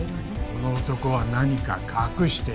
この男は何か隠している。